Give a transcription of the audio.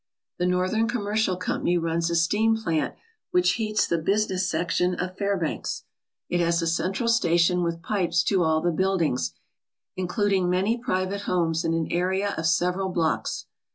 The Northern Commercial Company runs a steam plant which heats the business section of Fairbanks. It has a central station with pipes to all the * buildings, including many private homes in an area of several blocks.